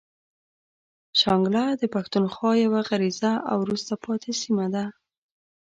شانګله د پښتونخوا يوه غريزه او وروسته پاتې سيمه ده.